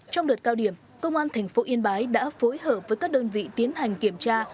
trong đợt cao điểm công an tp yên bái đã phối hợp với các đơn vị tiến hành kiểm tra